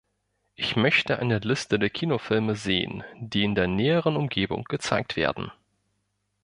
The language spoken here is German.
Ich möchte eine Liste der Kinofilme sehen, die in der näheren Umgebung gezeigt werden.